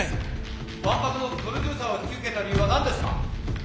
万博のプロデューサーを引き受けた理由は何ですか？